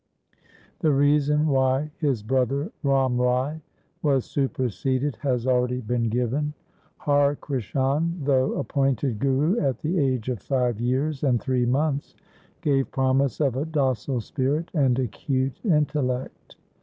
The reason why his brother Ram Rai was superseded has already been given. Har Krishan, though appointed Guru at the age of five years and three months, gave promise of a docile spirit and acute intellect.